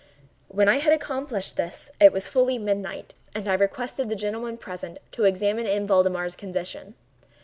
When I had accomplished this, it was fully midnight, and I requested the gentlemen present to examine M. Valdemar's condition.